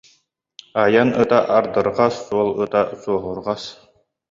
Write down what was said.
«Айан ыта ардырҕас, суол ыта суоһурҕас»